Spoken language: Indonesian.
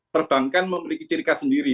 perbankan memiliki cirikas sendiri